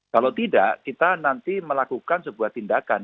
kalau tidak kita nanti melakukan sebuah tindakan